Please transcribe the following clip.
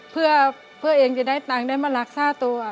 เพื่อเองจะได้ตังค์ได้มารักษาตัว